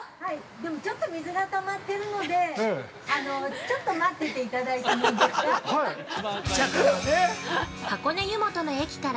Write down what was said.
でも、水がたまってるので、ちょっと待ってていただいてもいいですか。